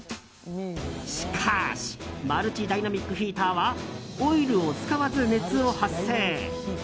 しかしマルチダイナミックヒーターはオイルを使わず熱を発生。